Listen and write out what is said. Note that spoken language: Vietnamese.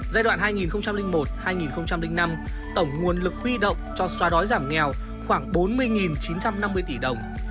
giai đoạn hai nghìn một hai nghìn năm tổng nguồn lực huy động cho xóa đói giảm nghèo khoảng bốn mươi chín trăm năm mươi tỷ đồng